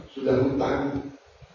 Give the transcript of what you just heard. setelah itu tukar tukar dokter